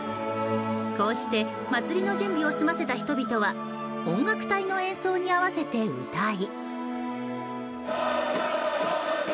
こうして祭りの準備を済ませた人々は音楽隊の演奏に合わせて歌い。